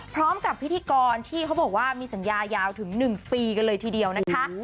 พร้อมกับพิธีกรที่เขาบอกว่ามีสัญญายาวถึง๑ปีกันเลยทีเดียวนะคะ